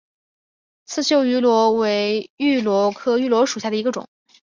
刺绣芋螺为芋螺科芋螺属下的一个种。